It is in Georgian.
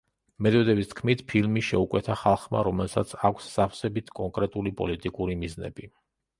მედვედევის თქმით, ფილმი შეუკვეთა „ხალხმა, რომელსაც აქვს სავსებით კონკრეტული პოლიტიკური მიზნები“.